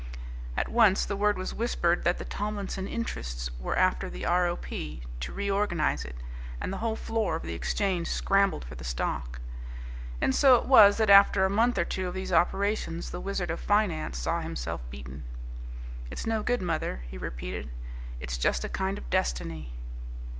At once the word was whispered that the "Tomlinson interests" were after the R.O.P. to reorganize it, and the whole floor of the Exchange scrambled for the stock. And so it was that after a month or two of these operations the Wizard of Finance saw himself beaten. "It's no good, mother," he repeated, "it's just a kind of Destiny."